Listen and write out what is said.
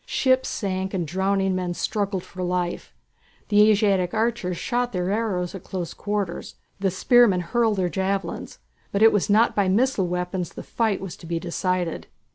Ships sank and drowning men struggled for life; the Asiatic archers shot their arrows at close quarters, the spearmen hurled their javelins; but it was not by missile weapons the fight was to be decided.